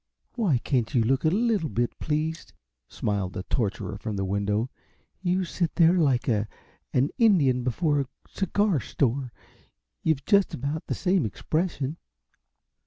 "Why can't you look a little bit pleased?" smiled the torturer from the window. "You sit there like a an Indian before a cigar store. You've just about the same expression."